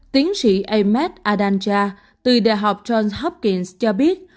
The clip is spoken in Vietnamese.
tiến sĩ ahmed adanja từ đại học johns hopkins cho biết